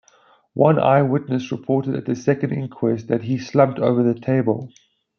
One eye witness reported at the second inquest that he slumped over the table.